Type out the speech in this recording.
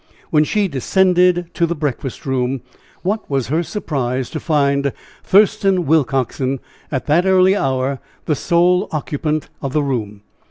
When she descended to the breakfast room, what was her surprise to find Thurston Willcoxen, at that early hour, the sole occupant of the room.